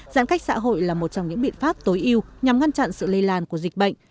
giãn cách xã hội là một trong những biện pháp tối yêu nhằm ngăn chặn sự lây lan của dịch bệnh